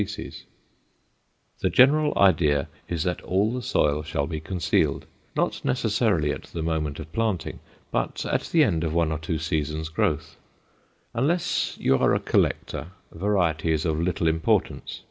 Note the avoidance of straight lines] The general idea is that all the soil shall be concealed, not necessarily at the moment of planting, but at the end of one or two seasons' growth. Unless you are a collector, variety is of little importance.